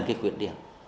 cái khuyết điểm